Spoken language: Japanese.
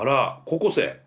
高校生？